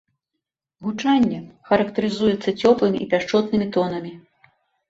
Гучанне характарызуецца цёплымі і пяшчотнымі тонамі.